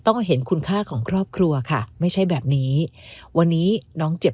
เห็นคุณค่าของครอบครัวค่ะไม่ใช่แบบนี้วันนี้น้องเจ็บ